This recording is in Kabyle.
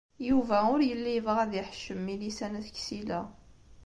Yuba ur yelli yebɣa ad iḥeccem Milisa n At Ksila.